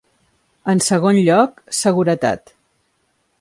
En segon lloc, seguretat.